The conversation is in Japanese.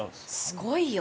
すごいよ。